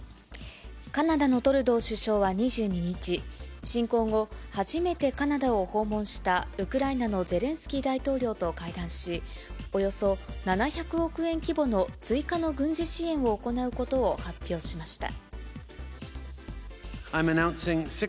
カナダのトルドー首相は２２日、侵攻後、初めてカナダを訪問したウクライナのゼレンスキー大統領と会談し、およそ７００億円規模の追加の軍事支援を行うことを発表しました。